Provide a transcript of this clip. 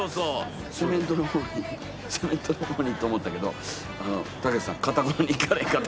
セメントの方にセメントの方にって思ったけどたけしさんかたくなに行かれへんかったな。